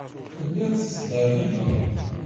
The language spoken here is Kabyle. Telliḍ tettderɣileḍ.